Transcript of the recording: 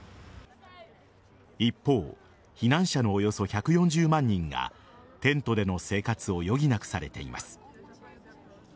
一方避難者のおよそ１４０万人がテントでの生活を余儀なくされています。